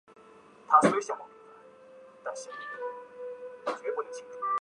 母封余姚县君。